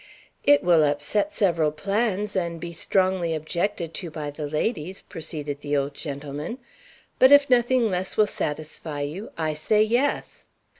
"It will upset several plans, and be strongly objected to by the ladies," proceeded the old gentleman. "But if nothing less will satisfy you, I say, Yes!